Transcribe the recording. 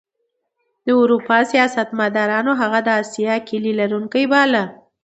د اروپا سیاستمدارانو هغه د اسیا د کیلي لرونکی باله.